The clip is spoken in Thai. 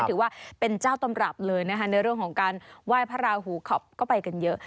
ถือว่าเป็นเจ้าตำรับเลยนะคะในเรื่องของการไหว้พระราหูขอบก็ไปกันเยอะ